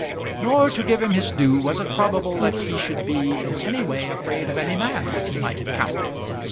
Nor, to give him his due, was it probable that he should be in any way afraid of any man that he might encounter.